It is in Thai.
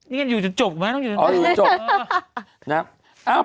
นี่กันอยู่จุดจบไหมอ๋ออยู่จุดจบ